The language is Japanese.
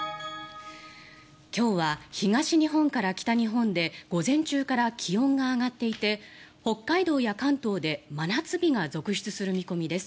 今日は東日本から北日本で午前中から気温が上がっていて北海道や関東で真夏日が続出する見込みです。